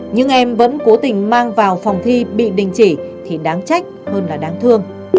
nhưng em vẫn cố tình mang vào phòng thi bị đình chỉ thì đáng trách hơn là đáng thương